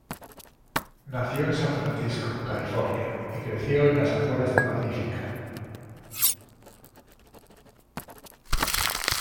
Nació en San Francisco, California y creció en las afueras de Pacífica.